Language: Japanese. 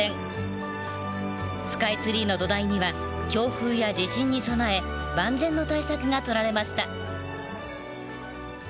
スカイツリーの土台には強風や地震に備え万全の対策がとられました。